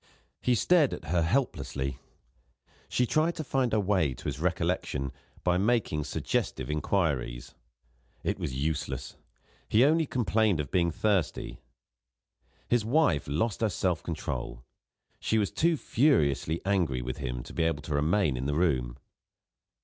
He stared at her helplessly. She tried to find her way to his recollection by making suggestive inquiries. It was useless; he only complained of being thirsty. His wife lost her self control. She was too furiously angry with him to be able to remain in the room.